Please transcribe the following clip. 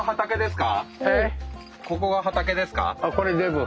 ここが畑ですか？